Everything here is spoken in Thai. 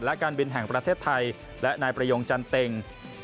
และการบินแห่งประเทศไทยและนายประยงจันเต็ง